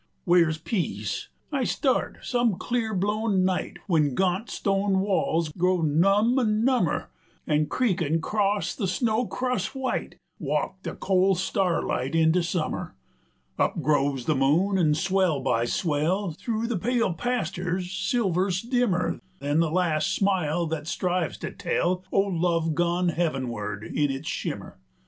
Where's Peace? I start, some clear blown night, When gaunt stone walls grow numb an' number, An', creakin' 'cross the snow crus' white, Walk the col' starlight into summer; 60 Up grows the moon, an' swell by swell Thru the pale pasturs silvers dimmer Than the last smile thet strives to tell O' love gone heavenward in its shimmer.